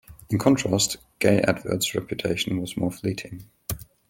In contrast, Gaye Advert's reputation was more fleeting.